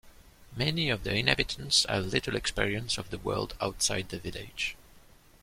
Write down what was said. Many of the inhabitants have little experience of the world outside the village.